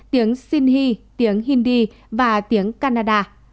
tiếng sinh tiếng hindi và tiếng canada